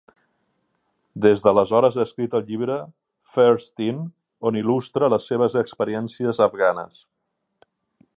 Des d'aleshores ha escrit el llibre "First In" on il·lustra les seves experiències afganes.